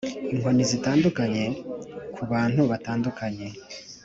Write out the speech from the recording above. inkoni zitandukanye kubantu batandukanye